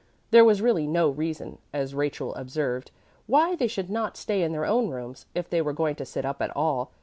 There was really no reason, as Rachel observed, why they should not stay in their own rooms, if they were going to sit up at all.